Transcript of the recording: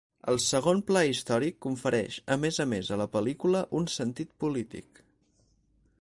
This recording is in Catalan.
El segon pla històric confereix a més a més a la pel·lícula un sentit polític.